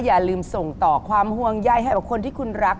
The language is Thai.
อย่าลืมส่งต่อความห่วงใยให้กับคนที่คุณรัก